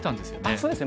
そうですね